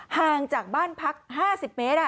ห่างจากบ้านพัก๕๐เมตร